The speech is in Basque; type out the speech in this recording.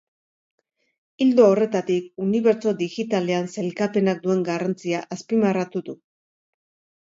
Ildo horretatik, unibertso digitalean sailkapenak duen garrantzia azpimarratu du.